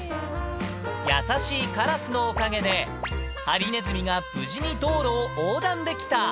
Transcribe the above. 優しいカラスのおかげで、ハリネズミが無事に道路を横断できた。